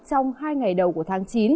trong hai ngày đầu của tháng chín